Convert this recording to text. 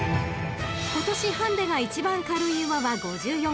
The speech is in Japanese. ［今年ハンディが一番軽い馬は５４ｋｇ］